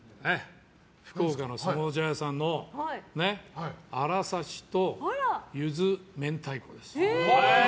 福岡の相撲茶屋さんのあら刺と柚子明太子です。